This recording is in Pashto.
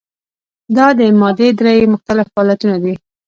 دا د مادې درې مختلف حالتونه دي.